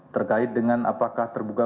terkait dengan apakah terbuka